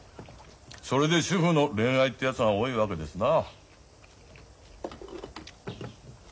それで主婦の恋愛ってやつが多いわけですな。